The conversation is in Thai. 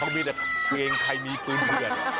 อันนี้ใครมีปืนเถือนค่ะเขามีแต่เคยใครมีปืนเถือน